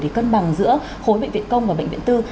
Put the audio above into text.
thì cân bằng giữa khối bệnh viện công và bệnh viện tư